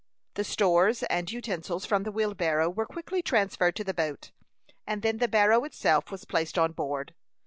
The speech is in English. The stores and utensils from the wheelbarrow were quickly transferred to the boat, and then the barrow itself was placed on board.